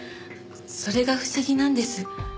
それが不思議なんです。